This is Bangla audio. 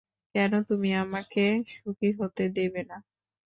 কেন তুমি আমাকে সুখী হতে দেবে না?